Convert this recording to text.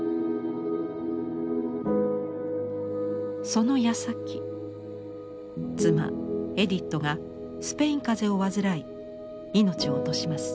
そのやさき妻エディットがスペイン風邪を患い命を落とします。